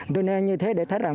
tôi nên như thế để thấy rằng